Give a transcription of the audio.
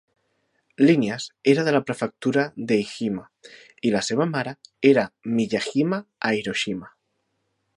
Línies, era de la Prefectura d'Ehime, i la seva mare era de Miyajima, a Hiroshima.